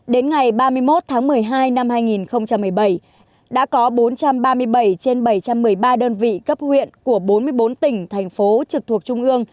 đến ngày ba mươi một tháng một mươi hai năm hai nghìn một mươi bảy đã có bốn trăm ba mươi bảy trên bảy trăm một mươi ba đơn vị cấp huyện của bốn mươi bốn tỉnh thành phố trực thuộc trung ương